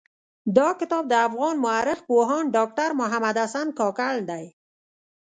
دا کتاب د افغان مٶرخ پوهاند ډاکټر محمد حسن کاکړ دٸ.